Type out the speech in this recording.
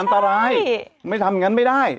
อันตรายไม่ทำอย่างนั้นไม่ได้